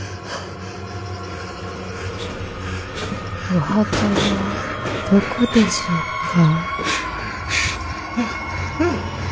お墓はどこでしょうか。